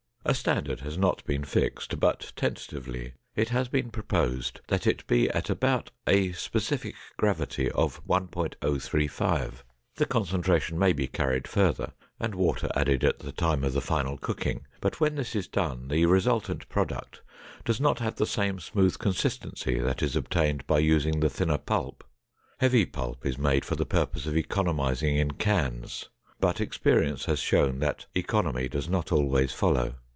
A standard has not been fixed, but tentatively it has been proposed that it be at about a specific gravity of 1.035. The concentration may be carried further and water added at the time of the final cooking, but when this is done, the resultant product does not have the same smooth consistency that is obtained by using the thinner pulp. Heavy pulp is made for the purpose of economizing in cans, but experience has shown that economy does not always follow.